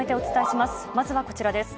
まずはこちらです。